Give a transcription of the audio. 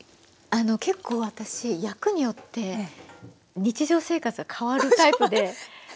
あの結構私役によって日常生活が変わるタイプで。